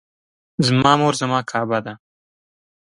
زما مور زما کعبه ده